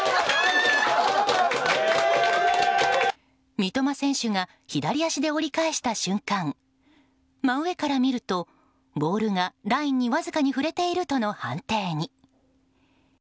三笘選手が左足で折り返した瞬間真上から見るとボールがラインにわずかに触れているとの判定に。